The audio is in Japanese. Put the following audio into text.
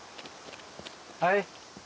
はい？